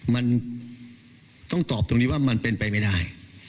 มันต้องตอบตรงนี้ว่ามันเป็นไปไม่ได้